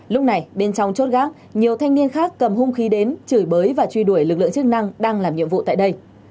lúc này bên trong chốt gác nhiều thanh niên khác cầm hung khí đến chửi bới và truy đuổi lực lượng chức năng đang làm nhiệm vụ tại đây